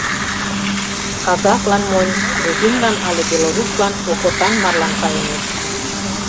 Казаклан монь, грузинлан але белоруслан окотан марлан каеныт.